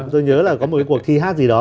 tôi nhớ là có một cuộc thi hát gì đó